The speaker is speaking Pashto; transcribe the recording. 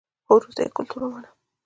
خو وروسته یې کلتور ومانه